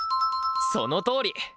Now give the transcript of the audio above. そのとおり！